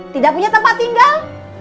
tidak punya tempat tinggal